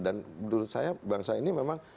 dan menurut saya bangsa ini memang